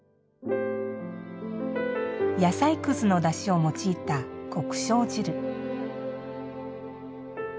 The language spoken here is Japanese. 野菜くずのだしを用いた国清汁。